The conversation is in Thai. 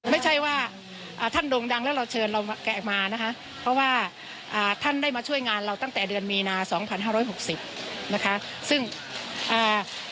ไม่ใช่ว่าท่านดวงดังแล้วเราเชิญเราแกะมานะคะเพราะว่าท่านได้มาช่วยงานเราตั้งแต่เดือนมีนา๒๕๖๐นะครับ